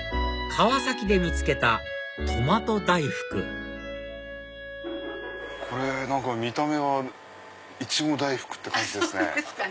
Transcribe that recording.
川崎で見つけたとまと大福これ見た目はイチゴ大福って感じですね。